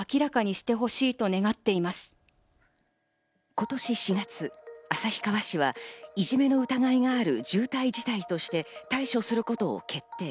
今年４月、旭川市はいじめの疑いがある重大事態として対処することを決定。